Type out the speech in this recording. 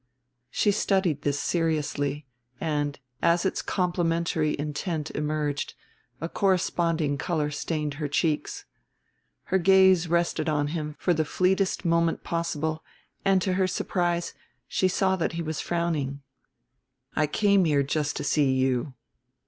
She studied this seriously; and, as its complimentary intent emerged, a corresponding color stained her cheeks. Her gaze rested on him for the fleetest moment possible and, to her surprise, she saw that he was frowning. "I came here just to see you.